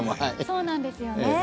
そうなんですよね。